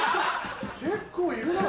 結構いるな。